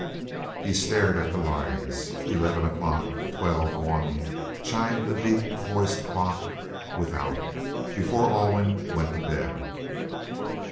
"_ He stared at the lines. Eleven o'clock twelve one chimed the deep voiced clock without, before Alwyn went to bed.